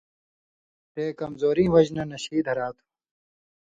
تے کمزوریں وجہۡ نہ نشِی دھرا تھو۔